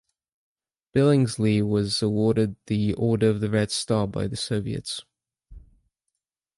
Billingslea was awarded the Order of the Red Star by the Soviets.